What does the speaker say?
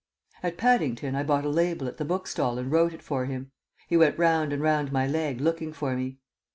At Paddington I bought a label at the bookstall and wrote it for him. He went round and round my leg looking for me.